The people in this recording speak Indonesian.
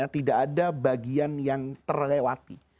tidak ada bagian yang terlewati